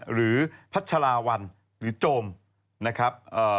หรือพัชราวัลหรือโจมนะครับ